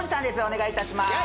お願いいたしまーす